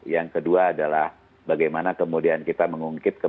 yang kedua adalah bagaimana kemudian kita mengungkapkan